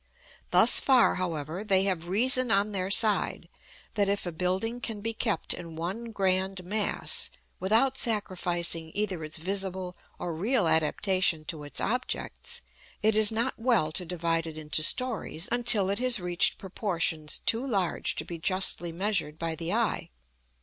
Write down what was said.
Thus far, however, they have reason on their side, that if a building can be kept in one grand mass, without sacrificing either its visible or real adaptation to its objects, it is not well to divide it into stories until it has reached proportions too large to be justly measured by the eye.